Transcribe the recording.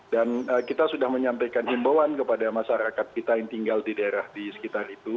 dan kita sudah menyampaikan imbauan kepada masyarakat kita yang tinggal di daerah di sekitar itu